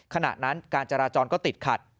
ขณะนั้นการจราจรก็ติดขัด